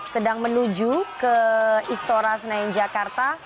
sedang menuju ke istora senayan jakarta